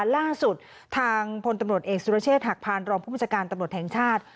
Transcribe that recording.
ล่าสุดทางพลตำรวจเอกสุรเชษฐหักพานรองผู้บัญชาการตำรวจแห่งชาติ